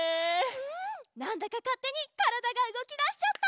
うんなんだかかってにからだがうごきだしちゃった！